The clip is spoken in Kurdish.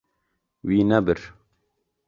Wî nebir.